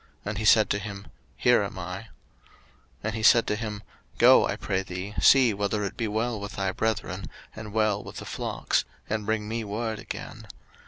And he said to him, Here am I. 01:037:014 And he said to him, Go, I pray thee, see whether it be well with thy brethren, and well with the flocks; and bring me word again.